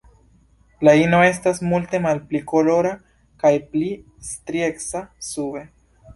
La ino estas multe malpli kolora kaj pli strieca sube.